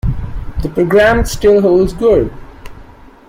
The programme still holds good.